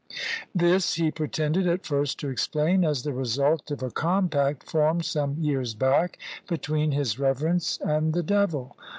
This he pretended at first to explain as the result of a compact formed some years back between his reverence and the devil.